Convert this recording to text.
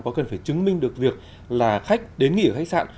có cần phải chứng minh được việc là khách đến nghỉ ở khách sạn